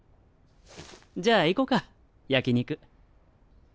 じゃあ行こか焼き肉。